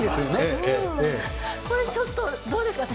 これちょっとどうですか？